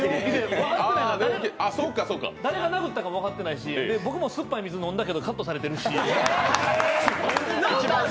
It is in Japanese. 誰が殴ったか分かってないし、僕も酸っぱい水飲んだけどカットされてるし。